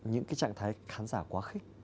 những cái trạng thái khán giả quá khích